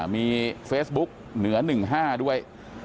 มีเฟซบุ๊กเหนือ๑๕ด้วย